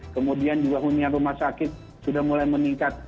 kemudian juga hunian rumah sakit sudah mulai meningkat